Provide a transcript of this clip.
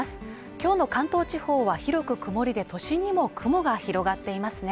今日の関東地方は広く曇りで都心にも雲が広がっていますね